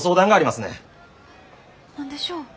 何でしょう？